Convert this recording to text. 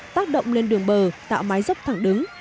tác động lên đường bờ tạo mái dốc thẳng đứng